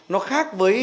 nó khác với